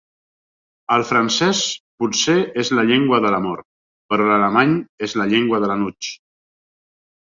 El francès potser és la llengua de l'amor, però l'alemany és la llengua de l'enuig.